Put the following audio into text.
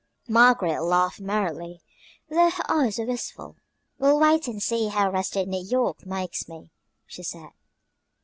Margaret laughed merrily, though her eyes were wistful. "We'll wait and see how rested New York makes me," she said.